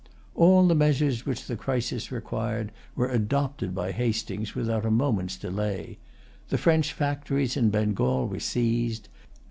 All the measures which the crisis required were adopted by Hastings without a moment's delay. The French factories in Bengal were seized.